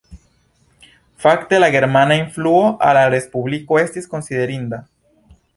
Fakte la germana influo al la respubliko estis konsiderinda.